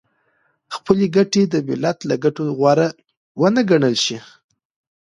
خپلې ګټې د ملت له ګټو غوره ونه ګڼل شي .